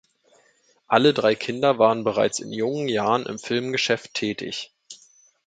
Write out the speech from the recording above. Alle drei Kinder waren bereits in jungen Jahren im Filmgeschäft tätig.